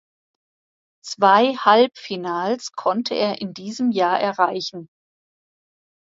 Zwei Halbfinals konnte er in diesem Jahr erreichen.